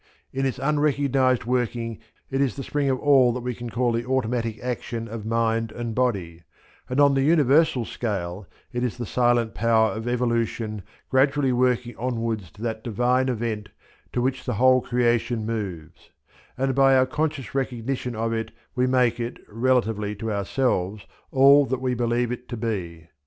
In its unrecognized working it is the spring of all that we can call the automatic action of mind and body, and on the universal scale it is the silent power of evolution gradually working onwards to that "divine event, to which the whole creation moves"; and by our conscious recognition of it we make it, relatively to ourselves, all that we believe it to be.